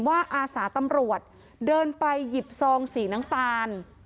ไม่ใช่ไม่ใช่ไม่ใช่